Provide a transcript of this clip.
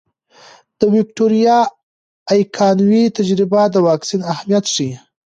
د ویکتوریا ایکانوي تجربه د واکسین اهمیت ښيي.